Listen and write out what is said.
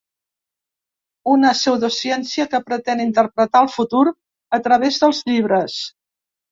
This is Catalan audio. Una pseudociència que pretén interpretar el futur a través dels llibres.